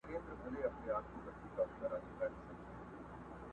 نه د خوشحال، نه د اکبر له توري وشرمېدل.!